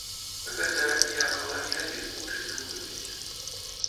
Гэта неакаланіялізм у чыстым выглядзе.